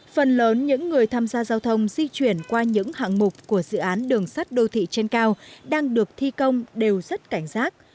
phần lớn những người tham gia giao thông di chuyển qua những hạng mục của dự án đường sắt đô thị trên cao đang được thi công đều rất cảnh giác